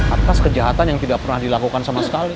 atas kejahatan yang tidak pernah dilakukan sama sekali